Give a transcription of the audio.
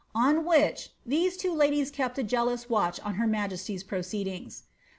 On which, these two women kept a jealous watch on her majesty's proceedings.